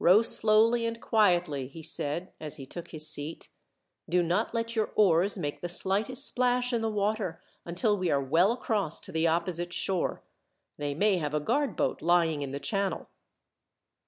"Row slowly and quietly," he said, as he took his seat. "Do not let your oars make the slightest splash in the water, until we are well across to the opposite shore. They may have a guard boat lying in the channel."